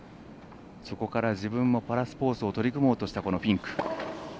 そこから自分もパラスポーツを取り組もうとしたフィンク。